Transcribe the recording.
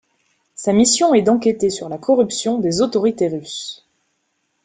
Sa mission est d'enquêter sur la corruption des autorités russes.